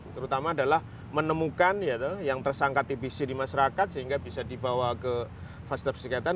terutama adalah menemukan yang tersangkat tbc di masyarakat sehingga bisa dibawa ke fasitab sekatan